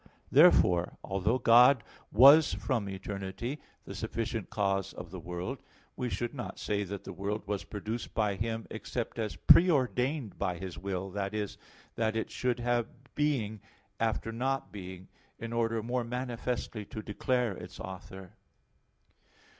2). Therefore, although God was from eternity the sufficient cause of the world, we should not say that the world was produced by Him, except as preordained by His will that is, that it should have being after not being, in order more manifestly to declare its author.